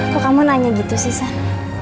kok kamu nanya gitu sen